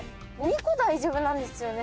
２個大丈夫なんですよね？